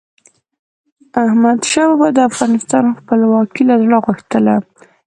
احمدشاه بابا به د افغانستان خپلواکي له زړه غوښتله.